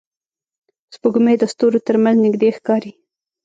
سپوږمۍ د ستورو تر منځ نږدې ښکاري